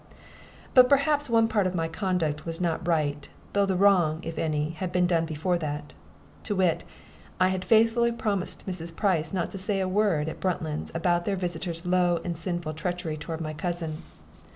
But perhaps one part of my conduct was not right, though the wrong (if any) had been done before that to wit, I had faithfully promised Mrs. Price not to say a word at Bruntlands about their visitor's low and sinful treachery toward my cousin.